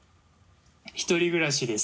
１人暮らしです。